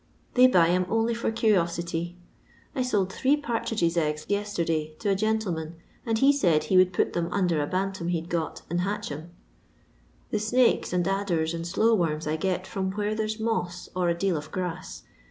They buy 'em only for cur'osity. I Bold three partridges' eggs yesterday to a gen tlemen, and he said he would put them under a bantam he 'd got, and hatch 'em. *' The snakes, and adders, and slow worms I get from where there's moss or a deal of grass.